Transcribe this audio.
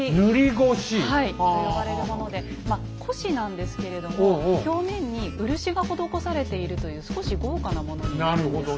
はいと呼ばれるものでまあ輿なんですけれども表面に漆が施されているという少し豪華なものになるんですね。